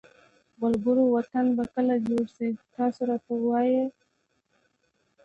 ملګروو وطن به کله جوړ شي تاسو راته ووایی ها